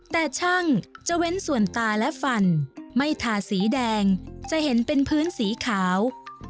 แต่ช่างจะเว้นส่วนตาและฟันไม่ทาสีแดงจะเห็นเป็นพื้นสีขาว